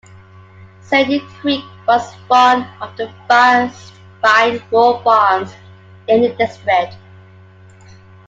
"Sandy Creek" was one of the first fine wool farms in the district.